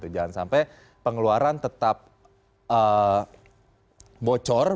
jangan sampai pengeluaran tetap bocor